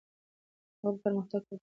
هغوی به پرمختګ کړی وي.